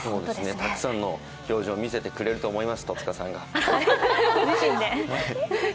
たくさんの表情を見せてくれると思います、戸塚さんが。